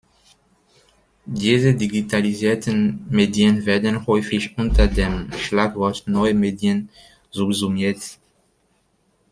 Diese digitalisierten Medien werden häufig unter dem Schlagwort "Neue Medien" subsumiert.